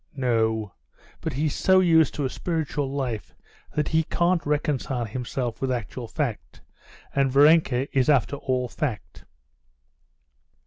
"No, but he's so used to a spiritual life that he can't reconcile himself with actual fact, and Varenka is after all fact."